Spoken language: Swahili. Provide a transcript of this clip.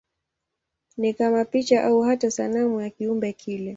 Ni kama picha au hata sanamu ya kiumbe kile.